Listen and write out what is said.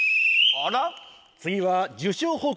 あら？